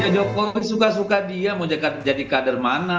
jokowi suka suka dia mau jadi kader mana